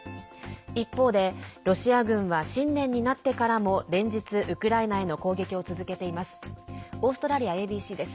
一方で、ロシア軍は新年になってからも連日、ウクライナへの攻撃を続けています。